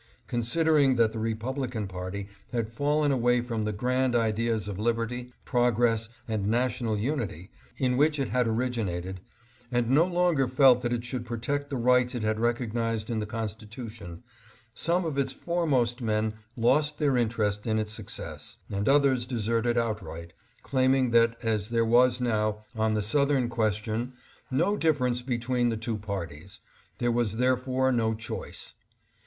Considering that the Republican party had fallen away from the grand ideas of liberty, progress, and national unity in which it had originated, and no longer felt that it should protect the rights it had recognized in the Constitution, some of its foremost men lost their interest in its success, and others deserted outright, claiming that as there was now, on the Southern question, no difference between the two parties, there was therefore no choice.